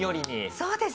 そうです。